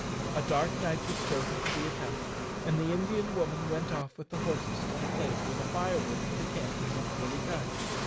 A dark night was chosen for the attempt, and the Indian woman went off with the horses to the place where firewood for the camp was usually cut.